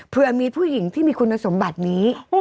เพื่อมีผู้หญิงที่มีคุณสมบัตินี้